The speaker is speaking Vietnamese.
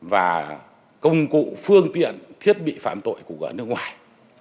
và công cụ phương tiện thiết bị phạm tội cục ả nước ngoài